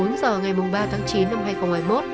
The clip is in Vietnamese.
ngày ba tháng chín năm hai nghìn hai mươi một